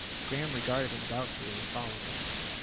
Graham regarded him doubtfully and followed him.